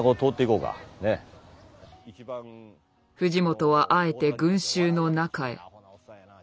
藤本はあえて群衆の中へ。